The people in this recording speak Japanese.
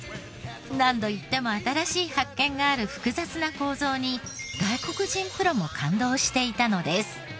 何度行っても新しい発見がある複雑な構造に外国人プロも感動していたのです。